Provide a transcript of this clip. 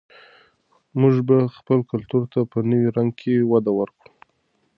موږ به خپل کلتور ته په نوي رنګ کې وده ورکړو.